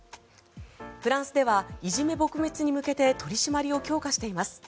フランスではいじめ撲滅に向けて取り締まりを強化しています。